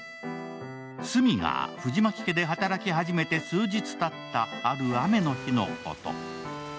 スミが藤巻家で働き始めて数日たった、ある雨の日のこと。